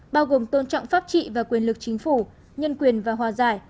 bao gồm tôn trọng pháp trị và quyền lực chính phủ nhân quyền và hòa giải